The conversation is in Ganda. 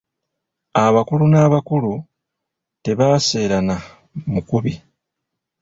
Abakulu n’abakulu, tebaseerana mukubi.